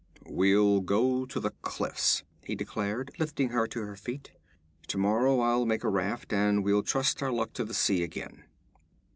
'We'll go to the cliffs,' he declared, lifting her to her feet. 'Tomorrow I'll make a raft, and we'll trust our luck to the sea again.'